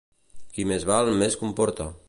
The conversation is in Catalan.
Qui més val, més comporta.